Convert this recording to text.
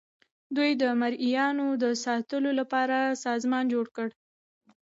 دوی د مرئیانو د ساتلو لپاره سازمان جوړ کړ.